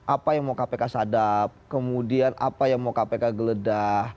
apa yang mau kpk sadap kemudian apa yang mau kpk geledah